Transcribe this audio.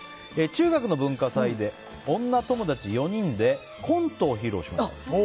中学の文化祭で女友達４人でコントを披露しました。